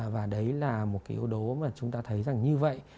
và đấy là một cái yếu tố mà chúng ta thấy rằng như vậy